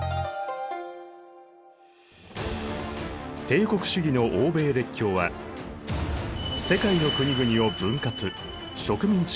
帝国主義の欧米列強は世界の国々を分割植民地化していた。